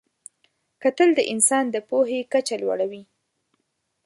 کتل د انسان د پوهې کچه لوړوي